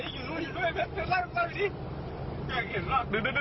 ดืงดัดดื่นดั่น